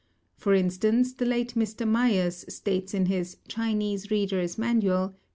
For instance, the late Mr. Mayers states in his Chinese Reader's Manual, p.